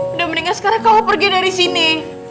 udah meninggal sekarang kamu pergi dari sini